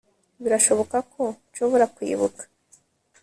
birashoboka ko nshobora kwibuka